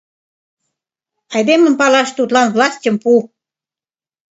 Айдемым палаш тудлан властьым пу.